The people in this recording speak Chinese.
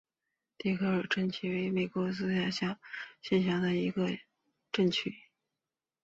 迪尔克里克镇区为美国堪萨斯州菲利普斯县辖下的镇区。